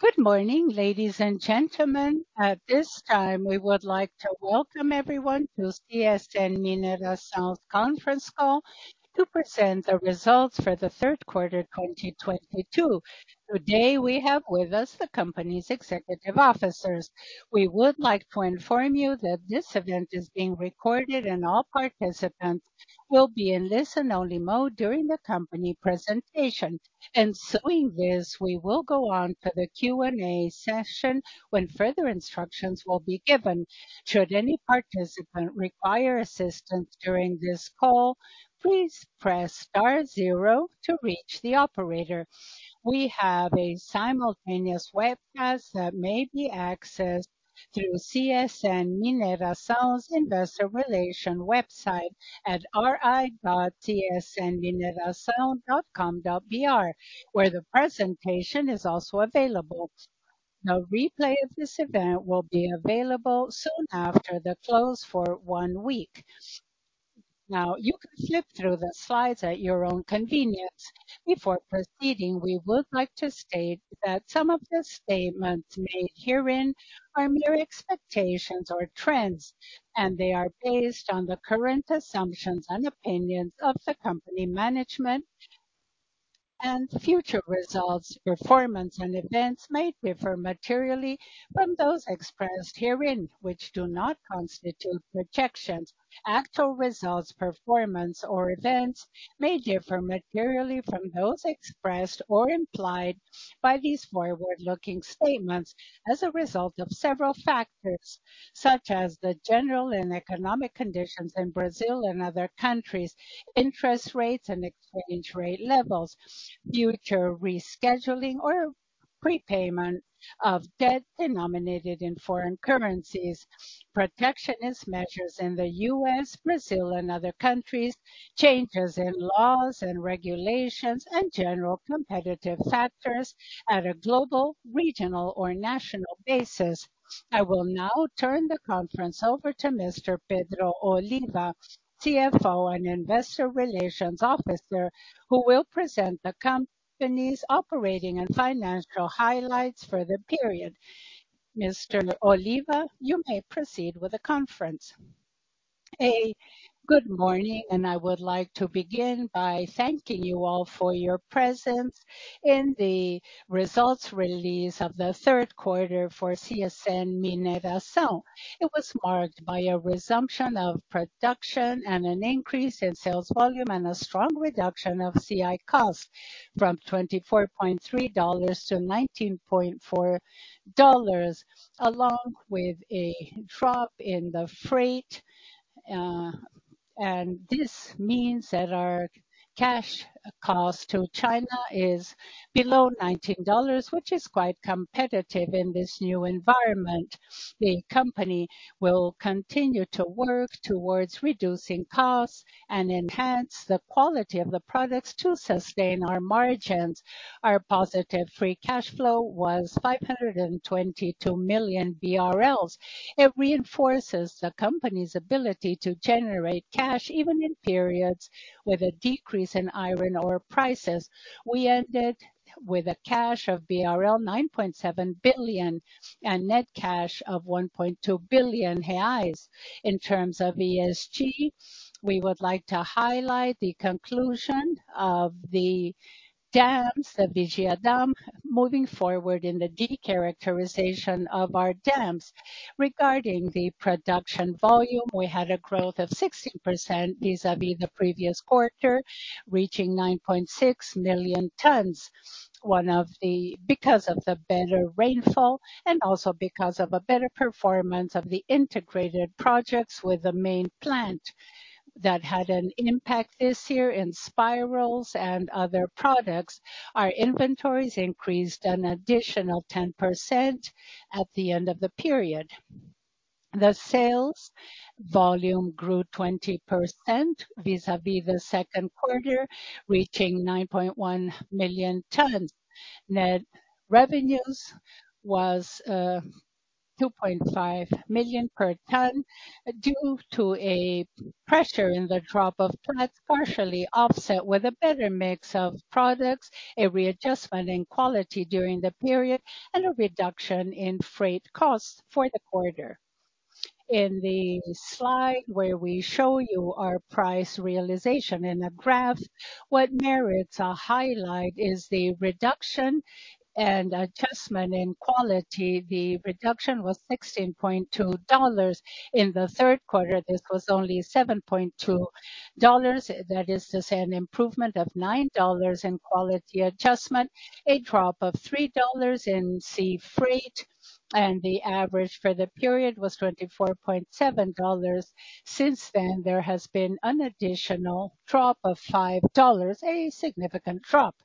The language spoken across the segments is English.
Good morning, ladies and gentlemen. At this time, we would like to welcome everyone to CSN Mineração's conference call to present the results for the third quarter 2022. Today, we have with us the company's executive officers. We would like to inform you that this event is being recorded and all participants will be in listen only mode during the company presentation. In this, we will go on to the Q&A session when further instructions will be given. Should any participant require assistance during this call, please press star zero to reach the operator. We have a simultaneous webcast that may be accessed through CSN Mineração's investor relations website at ri.csnmineracao.com.br, where the presentation is also available. The replay of this event will be available soon after the close for one week. Now you can flip through the slides at your own convenience. Before proceeding, we would like to state that some of the statements made herein are mere expectations or trends, and they are based on the current assumptions and opinions of the company management. Future results, performance and events may differ materially from those expressed herein, which do not constitute projections. Actual results, performance or events may differ materially from those expressed or implied by these forward-looking statements as a result of several factors, such as the general and economic conditions in Brazil and other countries, interest rates and exchange rate levels, future rescheduling or prepayment of debt denominated in foreign currencies, protectionist measures in the U.S., Brazil and other countries, changes in laws and regulations, and general competitive factors at a global, regional or national basis. I will now turn the conference over to Mr. Pedro Oliva, CFO and Investor Relations Officer, who will present the company's operating and financial highlights for the period. Mr. Oliva, you may proceed with the conference. Good morning, I would like to begin by thanking you all for your presence in the results release of the third quarter for CSN Mineração. It was marked by a resumption of production and an increase in sales volume and a strong reduction of C1 cost from $24.3 to $19.4, along with a drop in the freight. This means that our cash cost to China is below $19, which is quite competitive in this new environment. The company will continue to work towards reducing costs and enhance the quality of the products to sustain our margins. Our positive free cash flow was 522 million BRL. It reinforces the company's ability to generate cash even in periods with a decrease in iron ore prices. We ended with a cash of BRL 9.7 billion and net cash of 1.2 billion reais. In terms of ESG, we would like to highlight the conclusion of the dams, the Vigia dam, moving forward in the decharacterization of our dams. Regarding the production volume, we had a growth of 16% vis-à-vis the previous quarter, reaching 9.6 million tons. Because of the better rainfall and also because of a better performance of the integrated projects with the main plant that had an impact this year in spirals and other products. Our inventories increased an additional 10% at the end of the period. The sales volume grew 20% vis-à-vis the second quarter, reaching 9.1 million tons. Net revenues was 2.5 million per ton due to a pressure in the drop of tons, partially offset with a better mix of products, a readjustment in quality during the period, and a reduction in freight costs for the quarter. In the slide where we show you our price realization in a graph, what merits a highlight is the reduction and adjustment in quality. The reduction was $16.2. In the third quarter, this was only $7.2. That is to say, an improvement of $9 in quality adjustment, a drop of $3 in sea freight, and the average for the period was $24.7. Since then, there has been an additional drop of $5, a significant drop.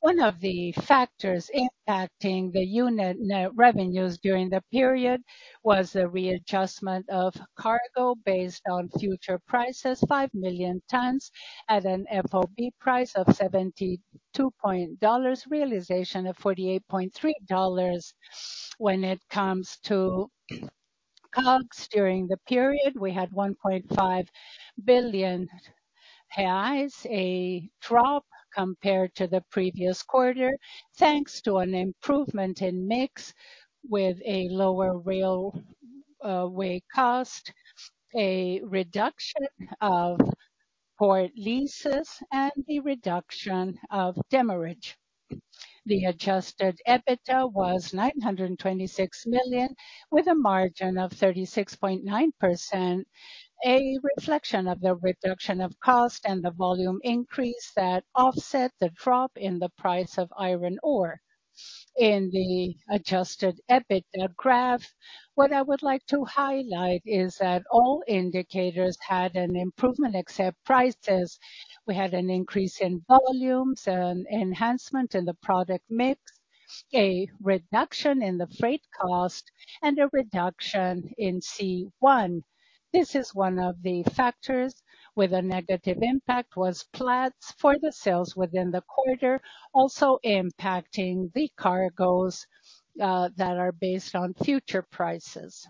One of the factors impacting the unit net revenues during the period was the readjustment of cargo based on future prices, 5 million tons at an FOB price of $72, realization of $48.3. When it comes to COGS during the period, we had 1.5 billion reais, a drop compared to the previous quarter, thanks to an improvement in mix with a lower railway cost, a reduction of port leases, and the reduction of demurrage. The adjusted EBITDA was 926 million, with a margin of 36.9%, a reflection of the reduction of cost and the volume increase that offset the drop in the price of iron ore. In the adjusted EBITDA graph, what I would like to highlight is that all indicators had an improvement except prices. We had an increase in volumes and enhancement in the product mix, a reduction in the freight cost and a reduction in C1. This is one of the factors with a negative impact was Platts for the sales within the quarter, also impacting the cargoes that are based on future prices.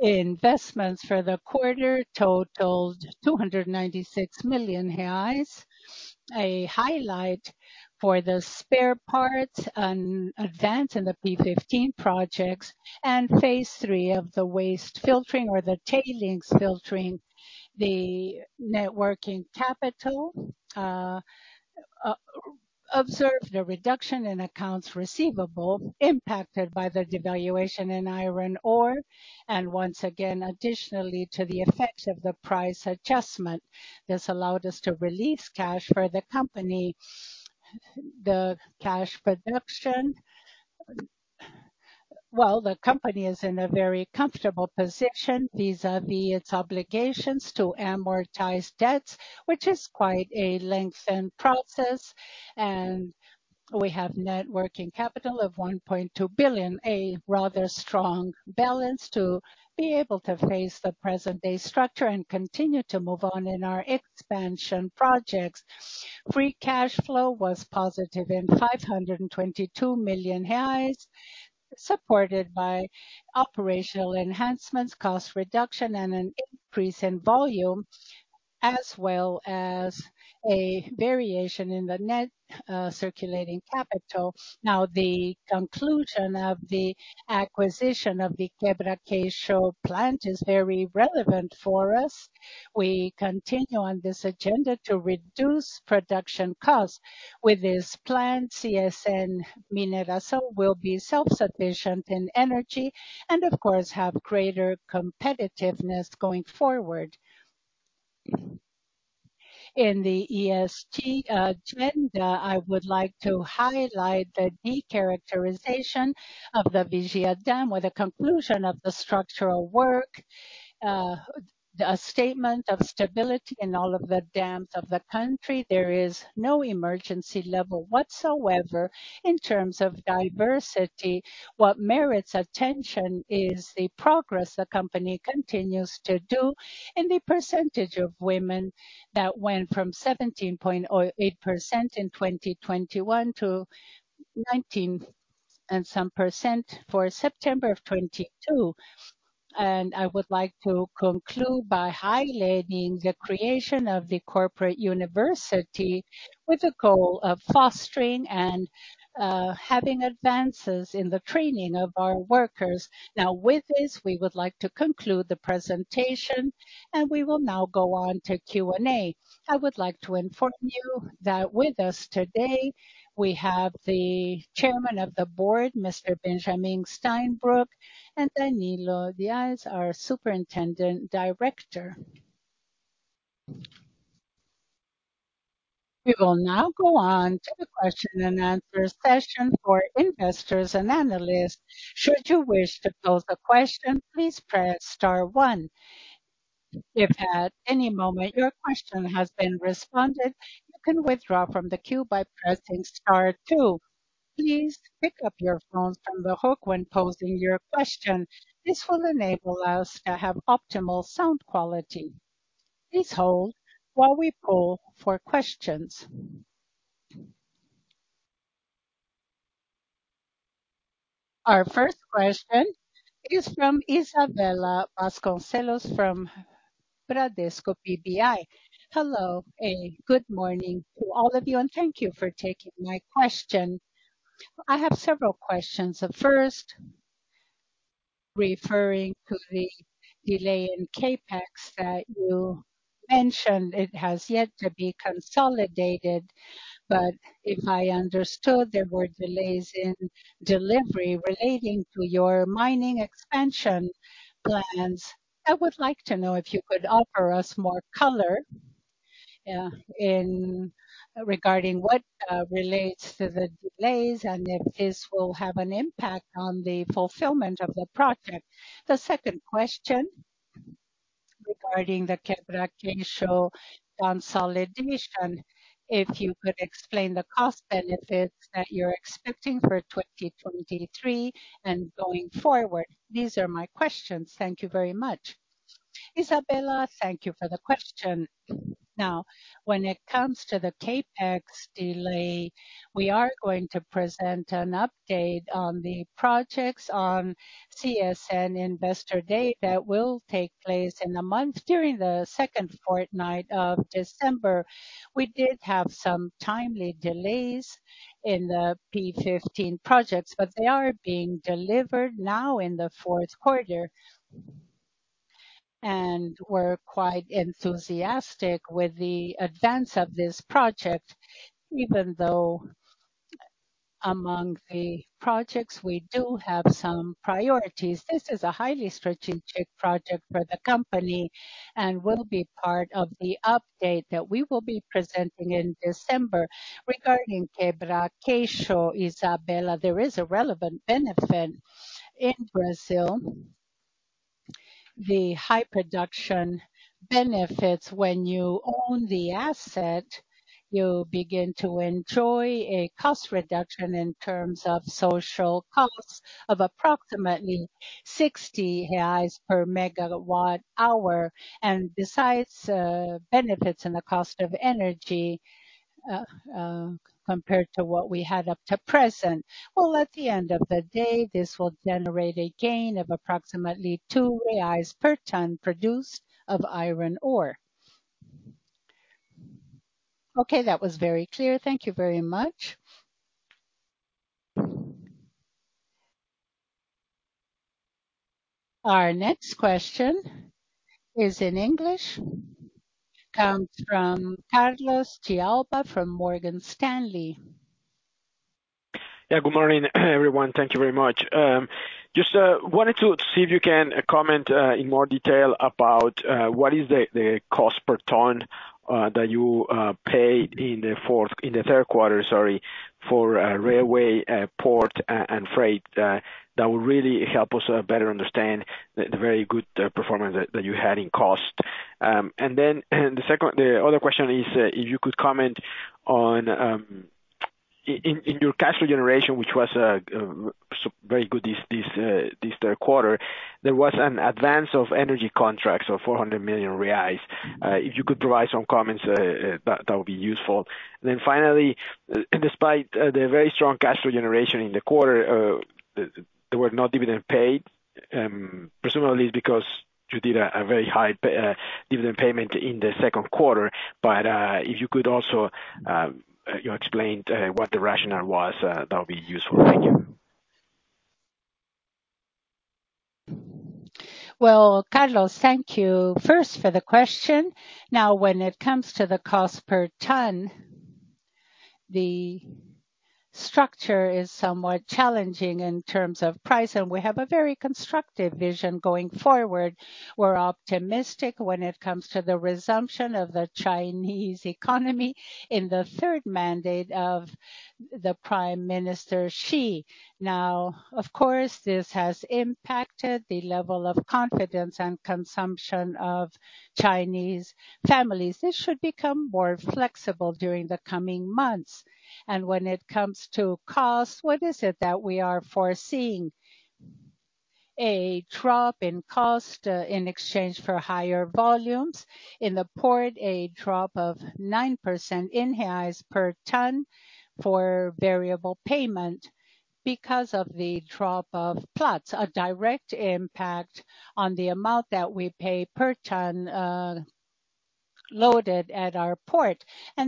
Investments for the quarter totaled 296 million reais. A highlight for the spare parts and advance in the P15 projects and phase three of the waste filtering or the tailings filtering. The net working capital observed a reduction in accounts receivable impacted by the devaluation in iron ore. Once again, additionally to the effects of the price adjustment, this allowed us to release cash for the company. Well, the company is in a very comfortable position vis-à-vis its obligations to amortize debts, which is quite a lengthy process. We have net working capital of 1.2 billion, a rather strong balance to be able to face the present day structure and continue to move on in our expansion projects. Free cash flow was positive in 522 million reais, supported by operational enhancements, cost reduction and an increase in volume as well as a variation in the net circulating capital. Now, the conclusion of the acquisition of the Quebra-Queixo plant is very relevant for us. We continue on this agenda to reduce production costs. With this plant, CSN Mineração will be self-sufficient in energy and of course have greater competitiveness going forward. In the ESG agenda, I would like to highlight the decharacterization of the Vigia Dam with the conclusion of the structural work, a statement of stability in all of the dams of the country. There is no emergency level whatsoever. In terms of diversity, what merits attention is the progress the company continues to do in the percentage of women that went from 17.08% in 2021 to 19 and some percent for September of 2022. I would like to conclude by highlighting the creation of the corporate university with the goal of fostering and having advances in the training of our workers. Now, with this, we would like to conclude the presentation, and we will now go on to Q&A. I would like to inform you that with us today we have the Chairman of the Board, Mr. Benjamin Steinbruch, and Danilo Dias, our superintendent director. We will now go on to the question and answer session for investors and analysts. Should you wish to pose a question, please press star one. If at any moment your question has been responded, you can withdraw from the queue by pressing star two. Please pick up your phones from the hook when posing your question. This will enable us to have optimal sound quality. Please hold while we poll for questions. Our first question is from Isabella Vasconcelos, from Bradesco BBI. Hello and good morning to all of you, and thank you for taking my question. I have several questions. The first, referring to the delay in CapEx that you mentioned. It has yet to be consolidated, but if I understood, there were delays in delivery relating to your mining expansion plans. I would like to know if you could offer us more color regarding what relates to the delays and if this will have an impact on the fulfillment of the project. The second question regarding the Quebra-Queixo consolidation, if you could explain the cost benefits that you're expecting for 2023 and going forward. These are my questions. Thank you very much. Isabella, thank you for the question. Now, when it comes to the CapEx delay, we are going to present an update on the projects on CSN Investor Day. That will take place in a month during the second fortnight of December. We did have some timely delays in the P15 projects, but they are being delivered now in the fourth quarter. We're quite enthusiastic with the advance of this project, even though among the projects we do have some priorities. This is a highly strategic project for the company and will be part of the update that we will be presenting in December regarding Quebra-Queixo. Isabella, there is a relevant benefit in Brazil, the high production benefits. When you own the asset, you begin to enjoy a cost reduction in terms of social costs of approximately 60 reais per megawatt-hour. Besides, benefits in the cost of energy, compared to what we had up to present. Well, at the end of the day, this will generate a gain of approximately 2 reais per ton produced of iron ore. Okay, that was very clear. Thank you very much. Our next question is in English. Comes from Carlos De Alba from Morgan Stanley. Yeah. Good morning, everyone. Thank you very much. Just wanted to see if you can comment in more detail about what is the cost per ton that you paid in the third quarter, sorry, for railway, port and freight. That would really help us better understand the very good performance that you had in cost. The other question is if you could comment on your cash generation, which was very good this third quarter. There was an advance of energy contracts of 400 million reais. If you could provide some comments that would be useful. Finally, despite the very strong cash flow generation in the quarter, there were no dividend paid, presumably because you did a very high dividend payment in the second quarter. If you could also, you know, explain what the rationale was, that would be useful. Thank you. Well, Carlos, thank you first for the question. Now, when it comes to the cost per ton, the structure is somewhat challenging in terms of price, and we have a very constructive vision going forward. We're optimistic when it comes to the resumption of the Chinese economy in the third mandate of Prime Minister Xi. Now, of course, this has impacted the level of confidence and consumption of Chinese families. This should become more flexible during the coming months. When it comes to cost, what is it that we are foreseeing? A drop in cost in exchange for higher volumes. In the port, a drop of 9% in BRL per ton for variable payment because of the drop of Platts, a direct impact on the amount that we pay per ton loaded at our port.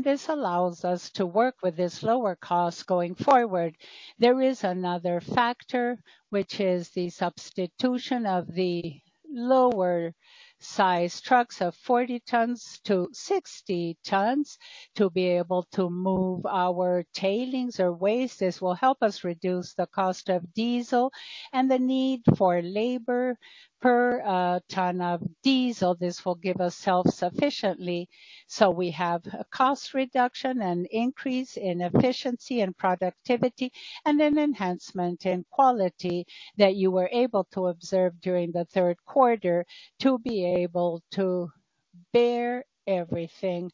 This allows us to work with this lower cost going forward. There is another factor, which is the substitution of the lower size trucks of 40 tons to 60 tons to be able to move our tailings or waste. This will help us reduce the cost of diesel and the need for labor per ton of diesel. This will give us self-sufficiently, so we have a cost reduction, an increase in efficiency and productivity, and an enhancement in quality that you were able to observe during the third quarter to be able to bear everything.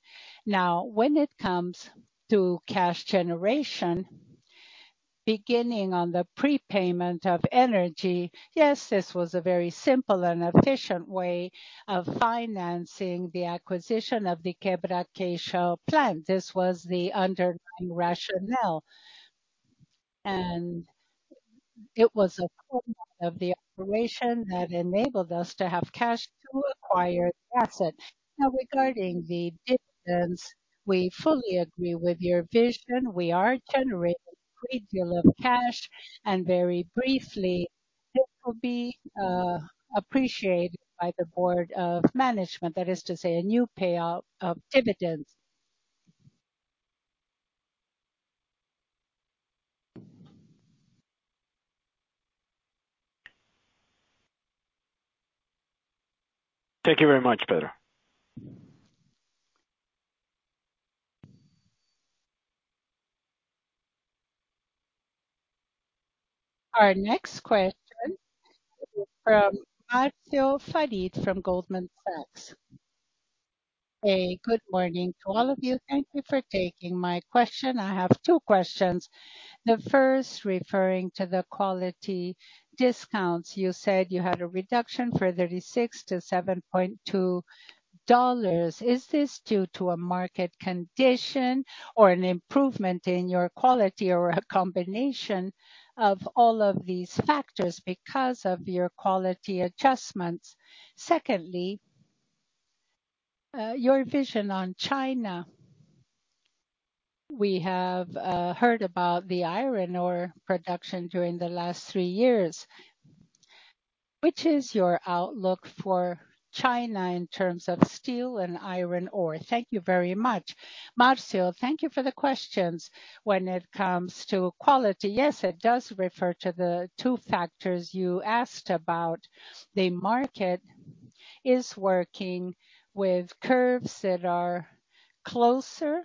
Now, when it comes to cash generation, beginning on the prepayment of energy, yes, this was a very simple and efficient way of financing the acquisition of the Quebra-Queixo plant. This was the underlying rationale. It was a component of the operation that enabled us to have cash to acquire the asset. Now, regarding the dividends, we fully agree with your vision. We are generating a great deal of cash, and very briefly, this will be appreciated by the board of management. That is to say, a new payout of dividends. Thank you very much, Pedro. Our next question is from Marcio Farid from Goldman Sachs. Hey, good morning to all of you. Thank you for taking my question. I have two questions. The first referring to the quality discounts. You said you had a reduction from $36 to $7.2. Is this due to a market condition or an improvement in your quality, or a combination of all of these factors because of your quality adjustments? Secondly, your vision on China. We have heard about the iron ore production during the last three years. Which is your outlook for China in terms of steel and iron ore? Thank you very much. Marcio, thank you for the questions. When it comes to quality, yes, it does refer to the two factors you asked about. The market is working with curves that are closer,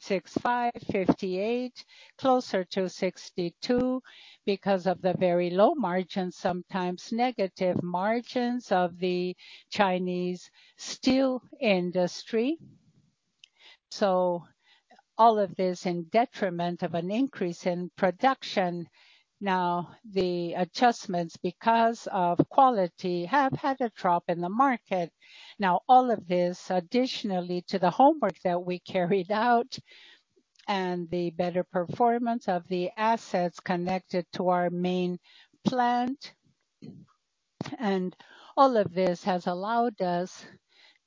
65, 58, closer to 62 because of the very low margins, sometimes negative margins of the Chinese steel industry. All of this in detriment of an increase in production. Now, the adjustments because of quality have had a drop in the market. Now, all of this additionally to the homework that we carried out and the better performance of the assets connected to our main plant. All of this has allowed us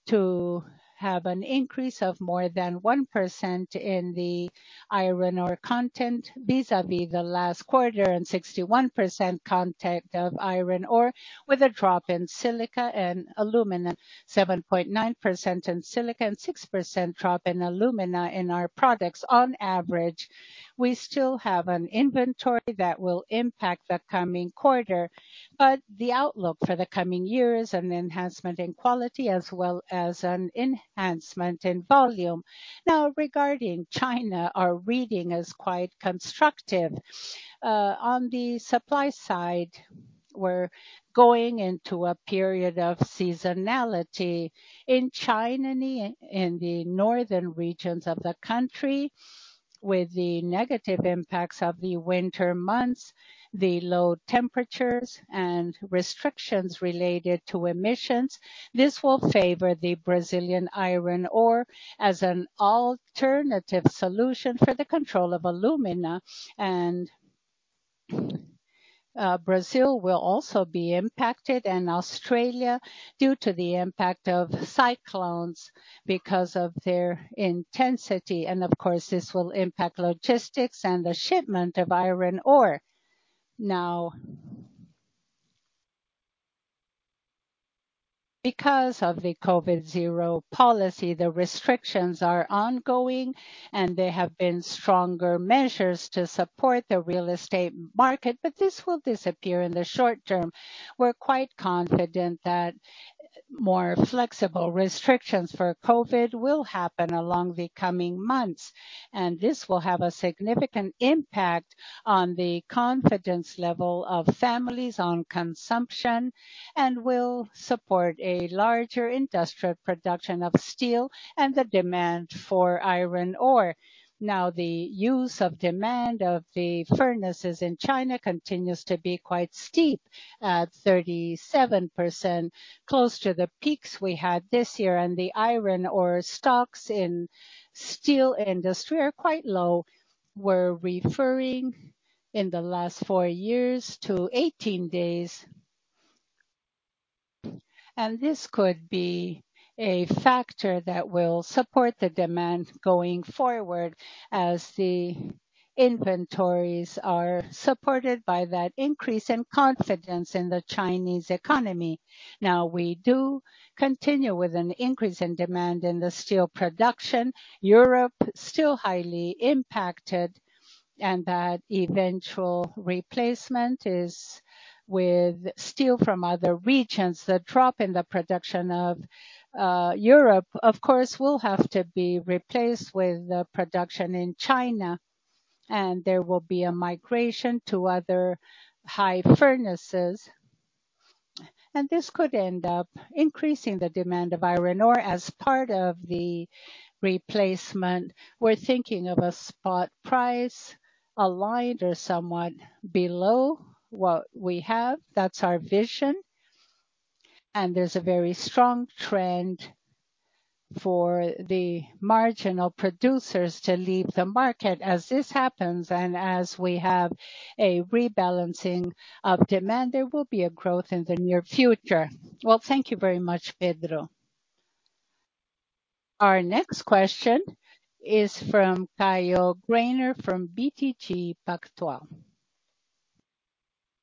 to have an increase of more than 1% in the iron ore content vis-à-vis the last quarter and 61% content of iron ore with a drop in silica and alumina, 7.9% in silica and 6% drop in alumina in our products on average. We still have an inventory that will impact the coming quarter, but the outlook for the coming years, an enhancement in quality as well as an enhancement in volume. Now, regarding China, our reading is quite constructive. On the supply side, we're going into a period of seasonality. In China, in the northern regions of the country, with the negative impacts of the winter months, the low temperatures and restrictions related to emissions. This will favor the Brazilian iron ore as an alternative solution for the control of alumina. Brazil will also be impacted, and Australia due to the impact of cyclones because of their intensity. Of course, this will impact logistics and the shipment of iron ore. Now, because of the COVID zero policy, the restrictions are ongoing, and there have been stronger measures to support the real estate market, but this will disappear in the short term. We're quite confident that more flexible restrictions for COVID will happen in the coming months, and this will have a significant impact on the confidence level of families on consumption, and will support a larger industrial production of steel and the demand for iron ore. Now, the utilization of the furnaces in China continues to be quite steep at 37% close to the peaks we had this year. The iron ore stocks in steel industry are quite low. We're referring in the last four years to 18 days. This could be a factor that will support the demand going forward as the inventories are supported by that increase in confidence in the Chinese economy. Now, we do continue with an increase in demand in the steel production. Europe still highly impacted, and that eventual replacement is with steel from other regions. The drop in the production of Europe, of course, will have to be replaced with the production in China, and there will be a migration to other high furnaces. This could end up increasing the demand of iron ore as part of the replacement. We're thinking of a spot price aligned or somewhat below what we have. That's our vision. There's a very strong trend for the marginal producers to leave the market as this happens and as we have a rebalancing of demand. There will be a growth in the near future. Well, thank you very much, Pedro. Our next question is from Caio Greiner from BTG Pactual.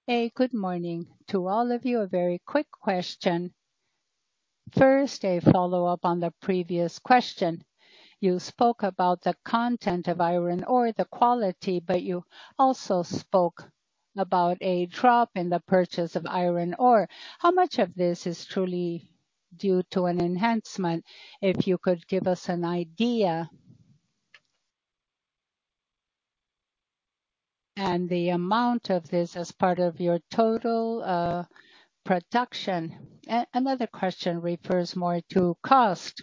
Hey, good morning to all of you. A very quick question. First, a follow-up on the previous question. You spoke about the content of iron ore, the quality, but you also spoke about a drop in the purchase of iron ore. How much of this is truly due to an enhancement? If you could give us an idea. The amount of this as part of your total production. Another question refers more to cost.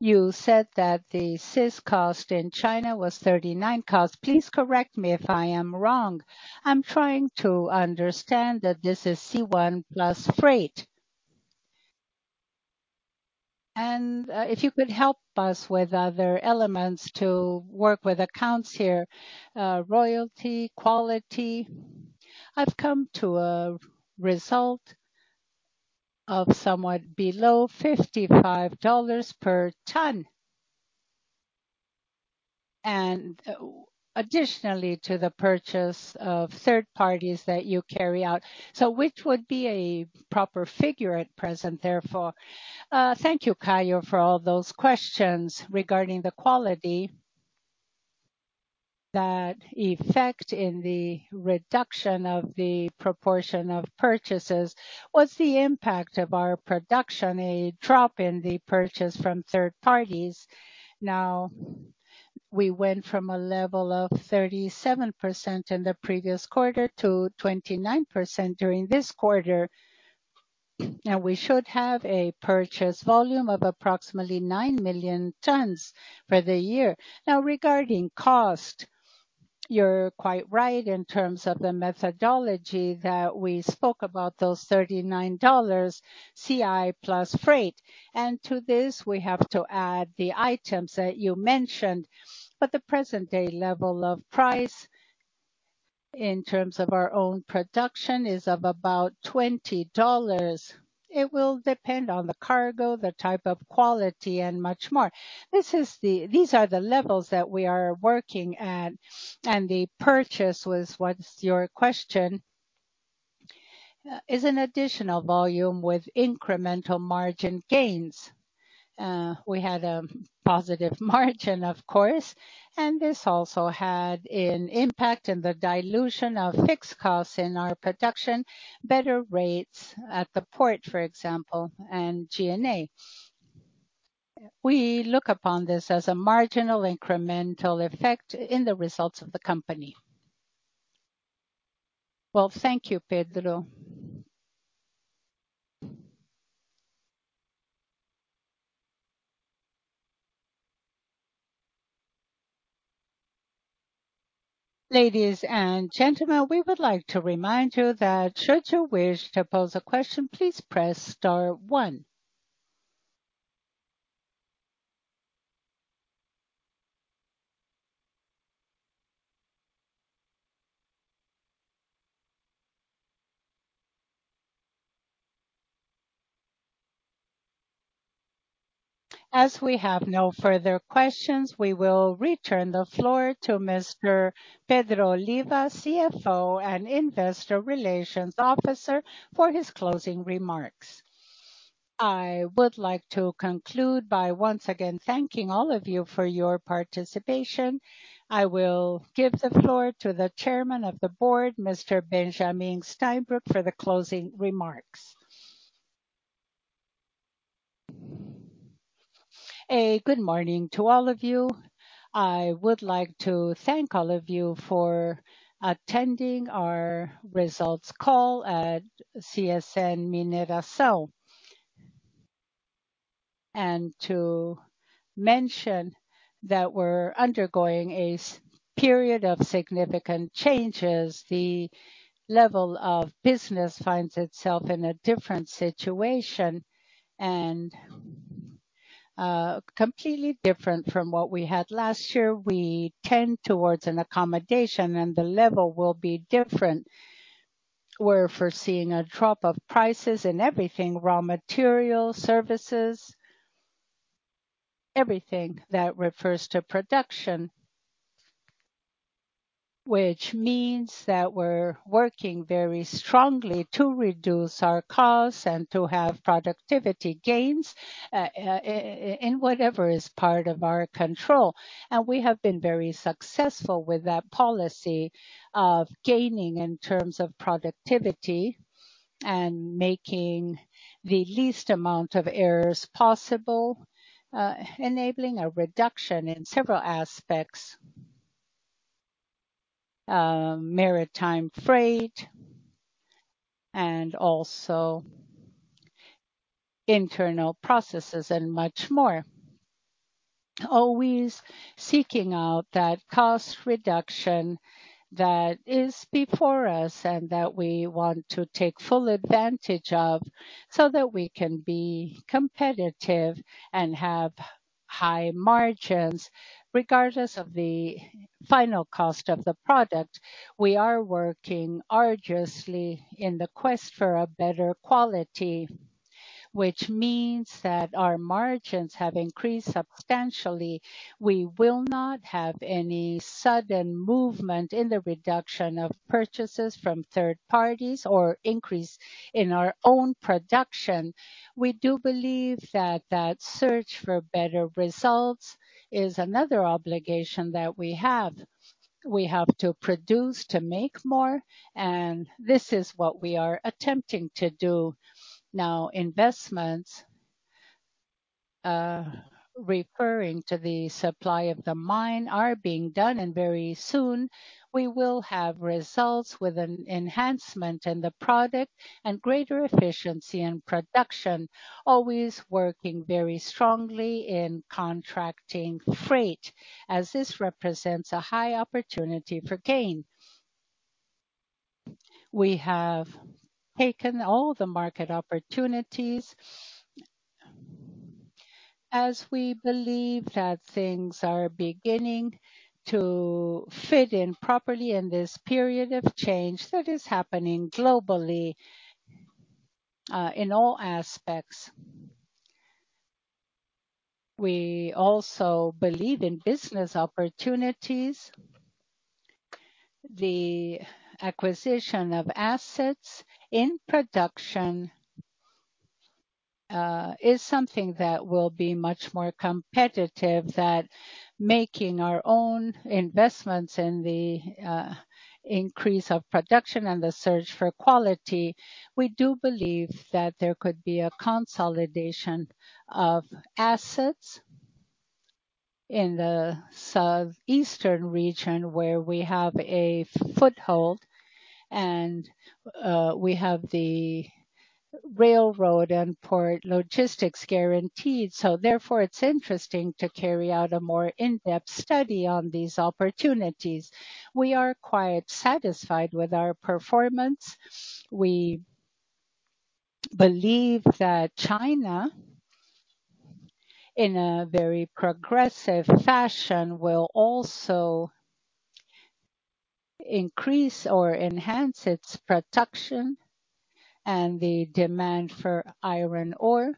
You said that the C1 cost in China was $39 cost. Please correct me if I am wrong. I'm trying to understand that this is C1 plus freight. If you could help us with other elements to work with accounts here, royalty, quality. I've come to a result of somewhat below $55 per ton. Additionally, to the purchase of third parties that you carry out. Which would be a proper figure at present, therefore? Thank you, Caio, for all those questions regarding the quality. That effect in the reduction of the proportion of purchases, what's the impact of our production, a drop in the purchase from third parties? Now, we went from a level of 37% in the previous quarter to 29% during this quarter. Now, we should have a purchase volume of approximately 9 million tons for the year. Now, regarding cost, you're quite right in terms of the methodology that we spoke about those $39 C1 plus freight. To this, we have to add the items that you mentioned. The present day level of price in terms of our own production is of about $20. It will depend on the cargo, the type of quality, and much more. These are the levels that we are working at, and the purchase was what's your question is an additional volume with incremental margin gains. We had a positive margin, of course, and this also had an impact in the dilution of fixed costs in our production, better rates at the port, for example, and G&A. We look upon this as a marginal incremental effect in the results of the company. Well, thank you, Pedro. Ladies and gentlemen, we would like to remind you that should you wish to pose a question, please press star one. As we have no further questions, we will return the floor to Mr. Pedro Oliva, CFO and Investor Relations Officer for his closing remarks. I would like to conclude by once again thanking all of you for your participation. I will give the floor to the chairman of the board, Mr. Benjamin Steinbruch, for the closing remarks. Good morning to all of you. I would like to thank all of you for attending our results call at CSN Mineração. To mention that we're undergoing a period of significant changes. The level of business finds itself in a different situation and completely different from what we had last year. We tend towards an accommodation, and the level will be different. We're foreseeing a drop of prices in everything, raw material, services, everything that refers to production. Which means that we're working very strongly to reduce our costs and to have productivity gains, in whatever is part of our control. We have been very successful with that policy of gaining in terms of productivity and making the least amount of errors possible, enabling a reduction in several aspects, maritime freight and also internal processes and much more. Always seeking out that cost reduction that is before us and that we want to take full advantage of so that we can be competitive and have high margins regardless of the final cost of the product. We are working arduously in the quest for a better quality, which means that our margins have increased substantially. We will not have any sudden movement in the reduction of purchases from third parties or increase in our own production. We do believe that search for better results is another obligation that we have. We have to produce to make more, and this is what we are attempting to do. Now, investments, referring to the supply of the mine are being done, and very soon we will have results with an enhancement in the product and greater efficiency in production. Always working very strongly in contracting freight, as this represents a high opportunity for gain. We have taken all the market opportunities as we believe that things are beginning to fit in properly in this period of change that is happening globally, in all aspects. We also believe in business opportunities. The acquisition of assets in production is something that will be much more competitive than making our own investments in the increase of production and the search for quality. We do believe that there could be a consolidation of assets in the southeastern region where we have a foothold and we have the railroad and port logistics guaranteed. Therefore, it's interesting to carry out a more in-depth study on these opportunities. We are quite satisfied with our performance. We believe that China, in a very progressive fashion, will also increase or enhance its production and the demand for iron ore.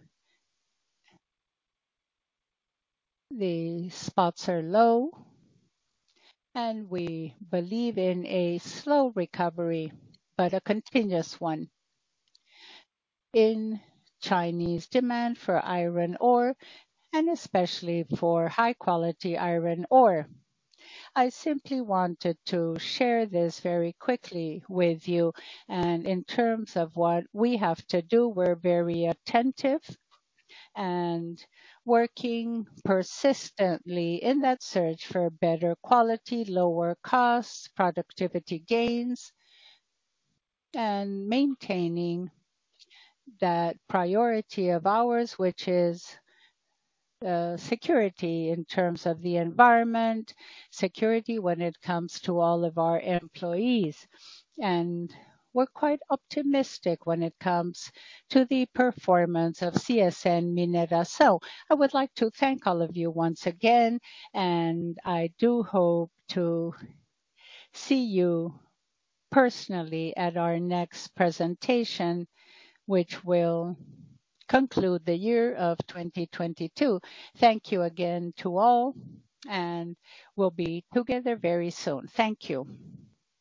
The spots are low, and we believe in a slow recovery, but a continuous one in Chinese demand for iron ore and especially for high quality iron ore. I simply wanted to share this very quickly with you. In terms of what we have to do, we're very attentive and working persistently in that search for better quality, lower costs, productivity gains, and maintaining that priority of ours, which is, security in terms of the environment, security when it comes to all of our employees. We're quite optimistic when it comes to the performance of CSN Mineração. I would like to thank all of you once again, and I do hope to see you personally at our next presentation, which will conclude the year of 2022. Thank you again to all, and we'll be together very soon. Thank you.